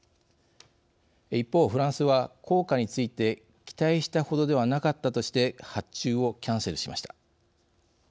一方、フランスは効果について期待したほどではなかったとして発注をキャンセルしました。